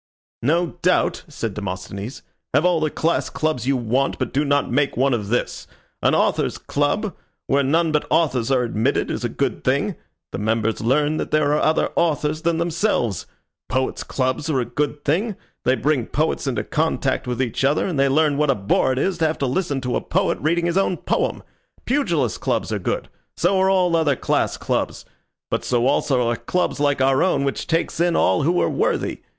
"No doubt," said Demosthenes. "Have all the class clubs you want, but do not make one of this. An Authors' Club, where none but authors are admitted, is a good thing. The members learn there that there are other authors than themselves. Poets' Clubs are a good thing; they bring poets into contact with each other, and they learn what a bore it is to have to listen to a poet reading his own poem. Pugilists' Clubs are good; so are all other class clubs; but so also are clubs like our own, which takes in all who are worthy.